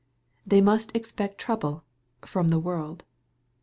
They must expect trouble from the world.